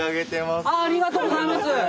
ありがとうございます。